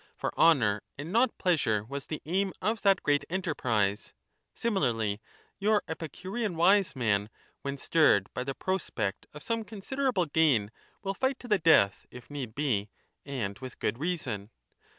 For honour and not pleasure was the aim of that great enter prise. Similarly, your Epicurean Wise Man, when stirred by the prospect of some considerable gain, will fight to the death, if need be, and with good reason.